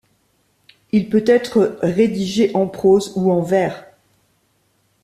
Il peut être rédigé en prose ou en vers.